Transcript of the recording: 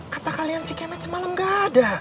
kata kalian si kemet semalam gak ada